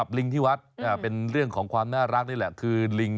บอกไปเลยบอกปังไปตรง